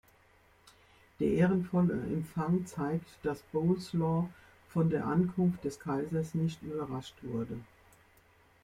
Der ehrenvolle Empfang zeigt, dass Boleslaw von der Ankunft des Kaisers nicht überrascht wurde.